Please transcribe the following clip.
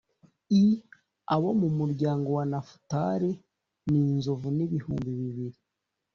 i. Abo mu muryango wa Nafutali ni inzovu n’ibihumbi bibiri.